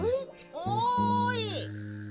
おい！